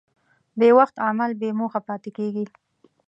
بېوخت عمل بېموخه پاتې کېږي.